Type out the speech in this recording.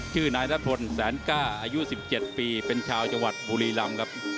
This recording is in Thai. ชื่อนายนพลแสนกล้าอายุ๑๗ปีเป็นชาวจังหวัดบุรีรำครับ